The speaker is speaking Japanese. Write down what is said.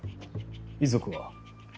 遺族は？